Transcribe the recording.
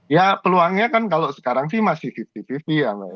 ya peluangnya kan kalau sekarang masih lima puluh lima puluh ya